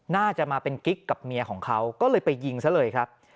น่าจะมาเป็นกิ๊กกับเมียของเขาก็เลยไปยิงซะเลยครับ